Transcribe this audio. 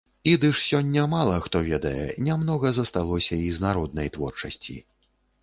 Ідыш сёння мала хто ведае, нямнога засталося і з народнай творчасці.